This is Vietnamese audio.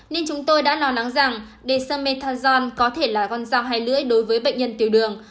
nên chúng tôi đã lo nắng rằng dexamethasone có thể là con dao hai lưỡi đối với bệnh nhân tiểu đường